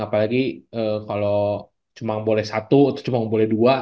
apalagi kalau cuma boleh satu atau cuma boleh dua